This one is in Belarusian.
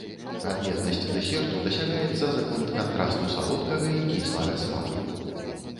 Адметнасць дэсерту дасягаецца за конт кантрасту салодкага і кіслага смаку.